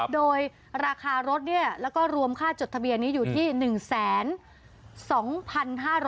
โดยราคารถแล้วก็รวมค่าจดทะเบียนนี้อยู่ที่๑๒๕๐๐บาท